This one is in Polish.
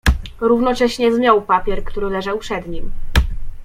"Równocześnie zmiął papier, który leżał przed nim."